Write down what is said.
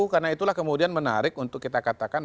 karena itulah kemudian menarik untuk kita katakan